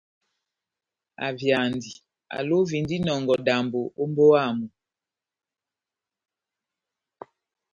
Avyandi, alovindi inɔngɔ dambo ó mbówa yamu.